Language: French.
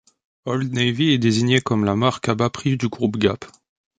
Old Navy est désignée comme la marque à bas prix du groupe Gap.